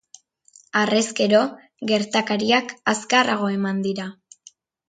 Harrezkero, gertakariak azkarrago eman dira.